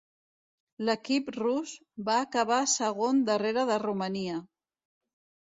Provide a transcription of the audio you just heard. L'equip rus va acabar segon darrere de Romania.